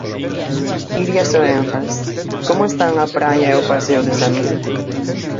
Iria Soengas, como están a praia e o paseo de Samil?